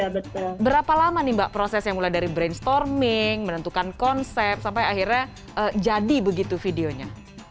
berapa lama nih mbak prosesnya mulai dari brainstorming menentukan konsep sampai akhirnya jadi begitu videonya